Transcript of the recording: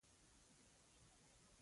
باید زه پرې شرمېدلې وای خو داسې نه ده.